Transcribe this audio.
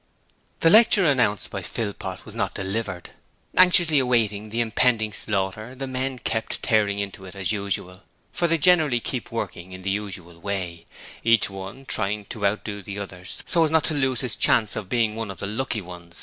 The lecture announced by Philpot was not delivered. Anxiously awaiting the impending slaughter the men kept tearing into it as usual, for they generally keep working in the usual way, each one trying to outdo the others so as not to lose his chance of being one of the lucky one...